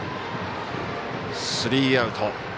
スリーアウト。